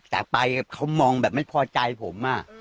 แต่ไปเขามองแบบไม่พอใจผม